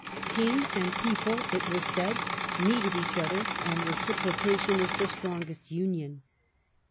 King and people, it was said, needed each other, and " reciprocation is the strongest union".